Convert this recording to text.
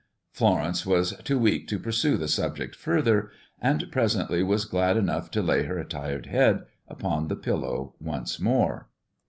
Florence was too weak to pursue the subject further, and presently was glad enough to lay her tired head upon the pillow once more.